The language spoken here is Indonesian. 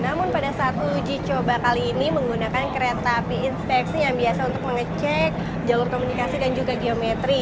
namun pada saat uji coba kali ini menggunakan kereta api inspeksi yang biasa untuk mengecek jalur komunikasi dan juga geometri